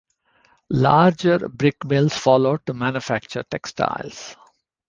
Larger brick mills followed to manufacture textiles.